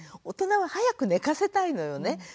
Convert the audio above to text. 大人は早く寝かせたいのよね。